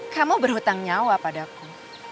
kamu berhutang nyawa padaku